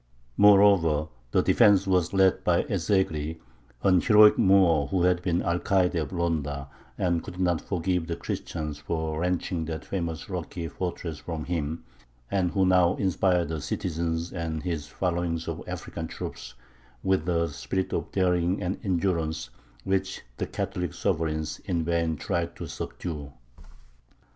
Moreover, the defence was led by Ez Zegry, an heroic Moor, who had been Alcayde of Ronda and could not forgive the Christians for wrenching that famous rocky fortress from him, and who now inspired the citizens and his following of African troops with a spirit of daring and endurance which the Catholic sovereigns in vain tried to subdue.